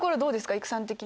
育さん的に。